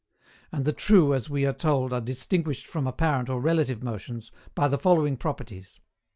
And the true as we are told are distinguished from apparent or relative motions by the following properties.